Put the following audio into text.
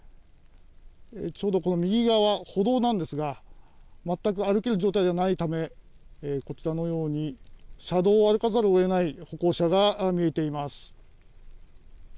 ちょうど右側、歩道なんですが全く歩ける状態ではないため車道を歩かざるをえない歩行者が見えています。